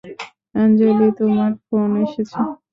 আঞ্জলি তোমার ফোন এসেছে।